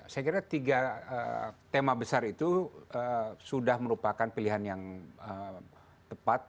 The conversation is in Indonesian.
saya kira tiga tema besar itu sudah merupakan pilihan yang tepat